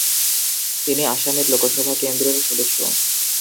তিনি আসামের লোকসভা কেন্দ্রের সদস্য।